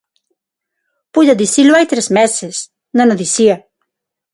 Puido dicilo hai tres meses, non o dicía.